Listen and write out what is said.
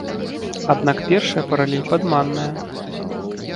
Аднак першая паралель падманная.